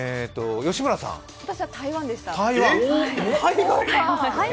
私は台湾でした。